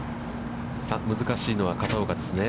さあ難しいのは、片岡ですね。